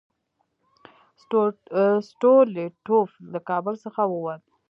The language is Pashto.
سټولیټوف له کابل څخه ووت.